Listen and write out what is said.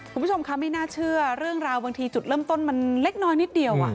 คุณผู้ชมคะไม่น่าเชื่อเรื่องราวบางทีจุดเริ่มต้นมันเล็กน้อยนิดเดียว